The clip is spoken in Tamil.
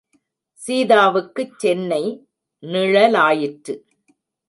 சீதாவுக்குச் சென்னை நிழலாயிற்று.